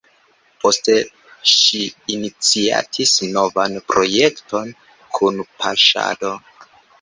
Poste ŝi iniciatis novan projekton Kunpaŝado.